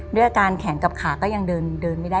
ด้วยอาการแขนกับขาก็ยังเดินไม่ได้